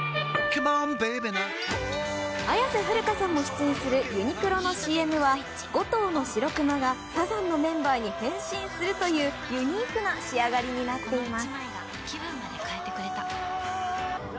綾瀬はるかさんも出演するユニクロのＣＭは５頭のシロクマがサザンのメンバーに変身するというユニークな仕上がりになっています。